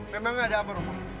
memang ada apa romo